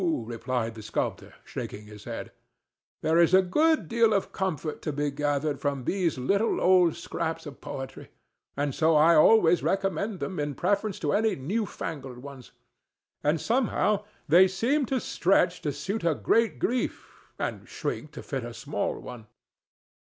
replied the sculptor, shaking his head; "there is a good deal of comfort to be gathered from these little old scraps of poetry, and so I always recommend them in preference to any new fangled ones. And somehow they seem to stretch to suit a great grief and shrink to fit a small one."